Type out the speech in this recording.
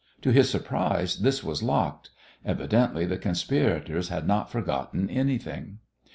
To his surprise this was locked. Evidently the conspirators had not forgotten anything.